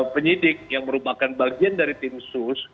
penyidik yang merupakan bagian dari tim sus